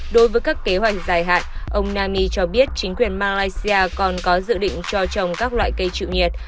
đối với các kế hoạch dài hạn ông nani cho biết chính quyền malaysia còn có dự định cho trồng các loại cây chịu nhiệt